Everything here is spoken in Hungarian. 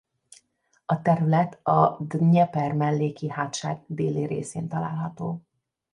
A terület a Dnyepermelléki-hátság déli részén található.